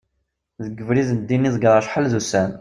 deg ubrid n ddin i ḍegreɣ acḥal d ussan